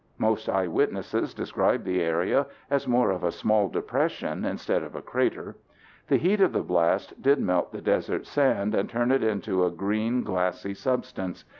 Most eyewitnesses describe the area as more of a small depression instead of a crater. The heat of the blast did melt the desert sand and turn it into a green glassy substance.